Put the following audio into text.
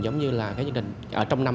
giống như là cái chương trình trong năm